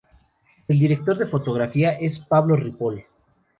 El director de fotografía es Pablo Ripoll.